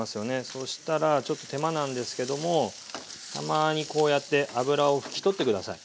そしたらちょっと手間なんですけどもたまにこうやって脂を拭き取って下さい。